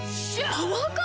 パワーカーブ⁉